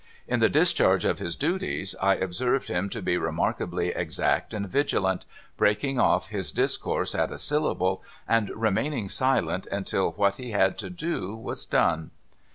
In the discharge of his duties, I observed him to be remarkably exact and vigilant, breaking off his discourse at a syllable, and remaining silent until what he had to do was done.